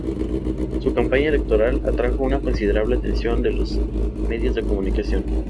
Su campaña electoral atrajo una considerable atención de los medios de comunicación.